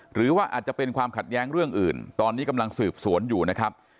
หรือว่าอาจจะเป็นความขัดแย้งเรื่องอื่นตอนนี้กำลังสืบสวนอยู่นะครับ